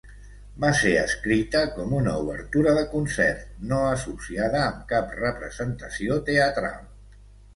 Va ser escrita com una obertura de concert, no associada amb cap representació teatral.